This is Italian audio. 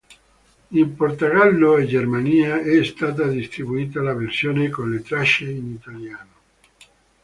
In Portogallo e Germania è stata distribuita la versione con le tracce in italiano.